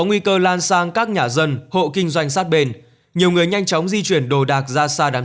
nguy cơ lan sang các nhà dân hộ kinh doanh sát bên nhiều người nhanh chóng di chuyển đồ đạc ra xa đáng